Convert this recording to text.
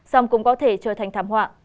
xong cũng có thể trở thành thảm họa